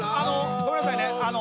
ごめんなさいねあの。